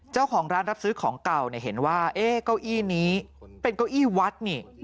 เจ้าของร้านรับซื้อของเก่าเนี่ยเห็นว่าเก้าอี้นี้เป็นเก้าอี้วัดนี่